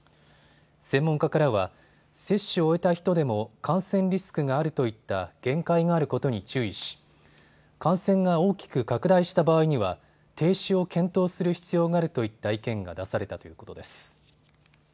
専門家からは接種を終えた人でも感染リスクがあるといった限界があることに注意し感染が大きく拡大した場合には停止を検討する必要があるといった意見が出されたということです。